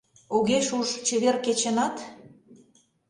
Огеш уж чевер кечынат?